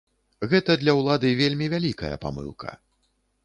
Гэта для ўлады вельмі вялікая памылка.